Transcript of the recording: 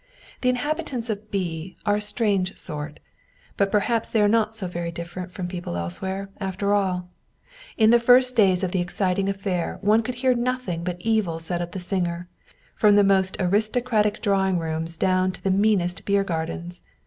The inhabitants of B. are a strange sort ; but perhaps they are not so very different from people else where, after all ! In the first days of the exciting affair one could hear nothing but evil said of the singer, from the most aristocratic drawing rooms down to the meanest beer gardens.